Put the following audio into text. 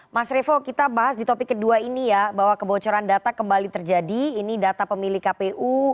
mas revo kita bahas di topik kedua ini ya bahwa kebocoran data kembali terjadi ini data pemilih kpu